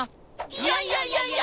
いやいやいやいや！